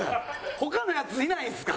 他のヤツいないんすか？